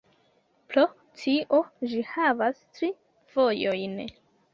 Pro tio, ĝi havas tri vojojn.